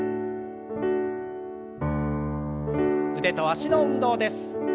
腕と脚の運動です。